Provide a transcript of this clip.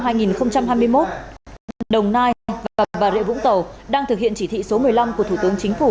đồng nai và bà rịa vũng tàu đang thực hiện chỉ thị số một mươi năm của thủ tướng chính phủ